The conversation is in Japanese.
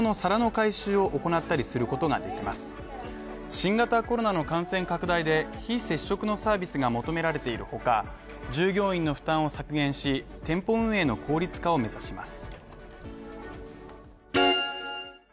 新型コロナの感染拡大で非接触のサービスが求められているほか、従業員の負担を削減し、店舗運営の効率化を目指します。